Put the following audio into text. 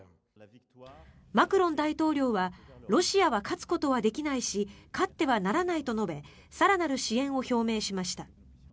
マクロン大統領はロシアは勝つことはできないし勝ってはならないと述べ更なる支援を表明しました。